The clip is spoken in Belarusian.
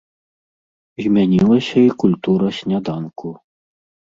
Змянілася і культура сняданку.